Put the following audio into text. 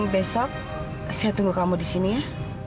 besok saya tunggu kamu di sini ya